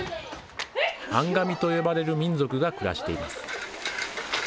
アンガミと呼ばれる民族が暮らしています。